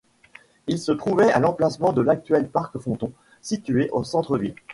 Il se trouvait à l'emplacement de l'actuel parc Fonton, situé en centre ville.